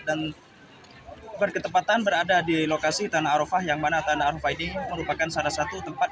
dan berketempatan berada di lokasi tanah arafah yang mana tanah arafah ini merupakan salah satu tempat